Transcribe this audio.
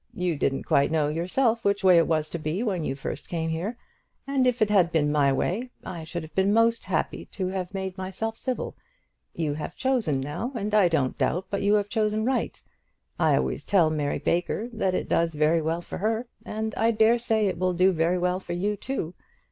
You didn't quite know yourself which way it was to be when you first came here, and if it had been my way, I should have been most happy to have made myself civil. You have chosen now, and I don't doubt but what you have chosen right. I always tell Mary Baker that it does very well for her, and I dare say it will do very well for you too.